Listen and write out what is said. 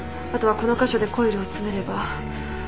あとはこの箇所でコイルを詰めれば。